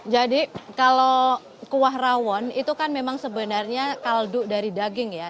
jadi kalau kuah rawon itu kan memang sebenarnya kaldu dari daging ya